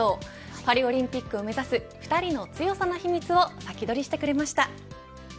パリオリンピックを目指す２人の強さの秘密をサキドリしてくれました。